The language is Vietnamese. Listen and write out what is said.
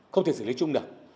không thể xử lý chung được